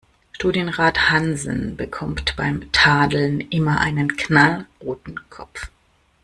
Studienrat Hansen bekommt beim Tadeln immer einen knallroten Kopf.